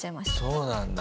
そうなんだ。